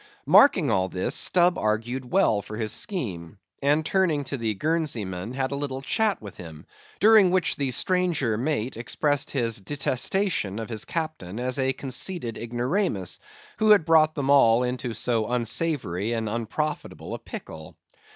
Marking all this, Stubb argued well for his scheme, and turning to the Guernsey man had a little chat with him, during which the stranger mate expressed his detestation of his Captain as a conceited ignoramus, who had brought them all into so unsavory and unprofitable a pickle.